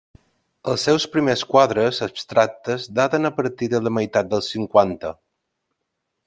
Els seus primers quadres abstractes daten a partir de la meitat dels cinquanta.